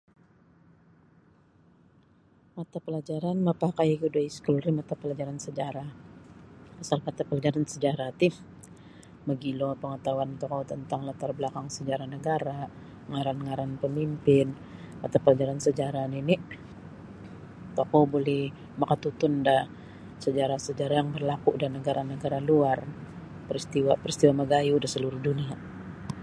Mata pelajaran mapakaiku da iskul ri mata pelajaran sejarah sabap mata pelajaran sejarah ti mogilo pangatahuan tokou tentang latar belakang sejarah nagara' ngaran-ngaran pamimpin mata pelajaran sejarah nini' tokou buli makatutun da sejarah-sejarah yang berlaku da nagara'-nagara' luar peristiwa-peristiwa magayuh da saluruh dunia'.